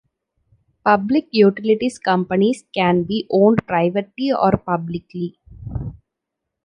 Public utilities companies can be owned privately or publicly.